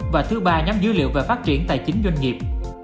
và thứ ba nhóm dữ liệu về phát triển tài chính doanh nghiệp